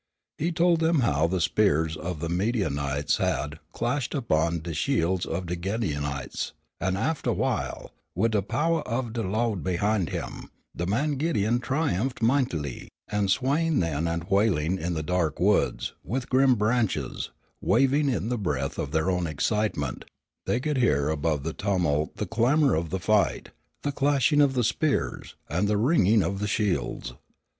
He told them how the spears of the Midianites had "clashed upon de shiels of de Gideonites, an' aftah while, wid de powah of de Lawd behin' him, de man Gideon triumphed mightily," and swaying then and wailing in the dark woods, with grim branches waving in the breath of their own excitement, they could hear above the tumult the clamor of the fight, the clashing of the spears, and the ringing of the shields.